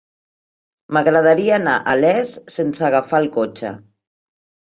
M'agradaria anar a Les sense agafar el cotxe.